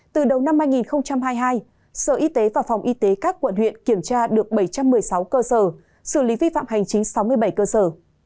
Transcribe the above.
từ đầu năm hai nghìn hai mươi hai sở y tế và phòng y tế các quận huyện kiểm tra được bảy trăm một mươi sáu cơ sở xử lý vi phạm hành chính sáu mươi bảy cơ sở